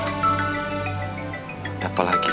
suspeng ga kembali gak